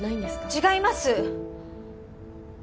違います！